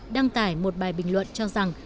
đăng tải một bài bình luận cho rằng